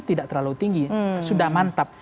tidak terlalu tinggi sudah mantap